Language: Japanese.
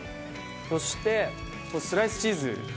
そしてスライスチーズ。